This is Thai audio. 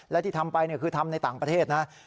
และที่ทำไปคือทำในต่างประเทศนะ